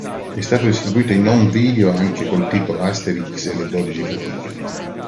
È stato distribuito in home video anche col titolo Asterix e le dodici fatiche.